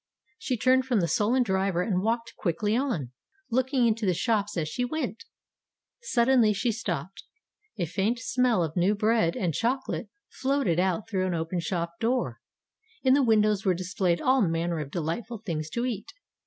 She turned from the sullen driver and walked quickly on, looking into the shops as she went. Sud denly she stopped. A faint smell of new bread and chocolate floated out through an open shop door. In the windows were displayed all manner of delightful things to eat.